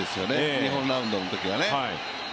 日本ラウンドのときはね。